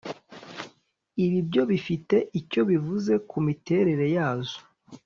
ibi byo bifite icyo bivuze ku miterere yazo